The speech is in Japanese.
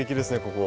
ここ。